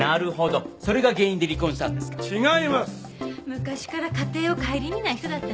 昔から家庭を顧みない人だったの。